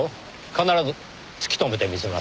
必ず突き止めてみせます。